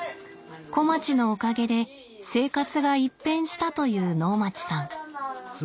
小町のおかげで生活が一変したという能町さん。